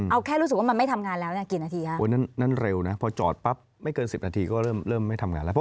เอาแค่รู้สึกว่ามันไม่ทำงานแล้ว